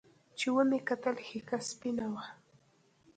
چې ومې کتل ښيښه سپينه وه.